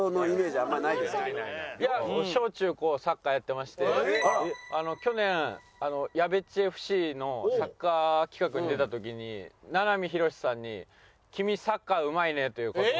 いや小中高サッカーやってまして去年『やべっちＦ．Ｃ．』のサッカー企画に出た時に名波浩さんに「君サッカーうまいね」という事を。